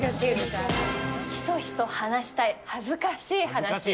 ひそひそ話したい恥ずかしい話。